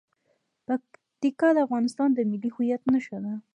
پکتیکا د افغانستان د ملي هویت نښه ده.